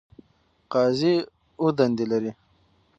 قاضی اووه دندې لري.